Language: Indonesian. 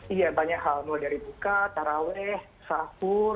iya banyak hal mulai dari buka taraweh sahur